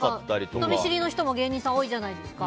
人見知りの人も芸人さん多いじゃないですか。